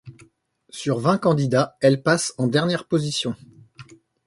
Sur vingt candidats, elle passe en dernière position.